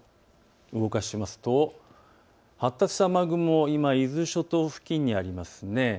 動かしますと発達した雨雲、今、伊豆諸島付近にありますね。